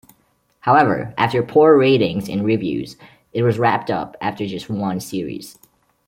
However, after poor ratings and reviews, it was wrapped up after just one series.